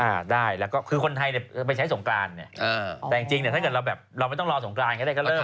อ้าวได้แล้วก็คือคนไทยไปใช้สงการแต่อย่างจริงหากเราไม่ต้องรอสงการยังได้ก็เริ่ม